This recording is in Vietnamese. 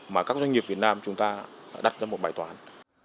mà các doanh nghiệp việt nam chúng ta đặt ra một bài toán